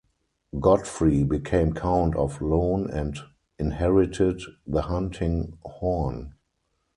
Godfrey became count of Lohn and inherited the hunting horn.